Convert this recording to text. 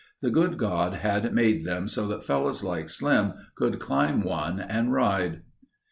The good God had made them so that fellows like Slim could climb one and ride.